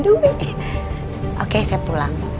permisi pak bos ini kopernya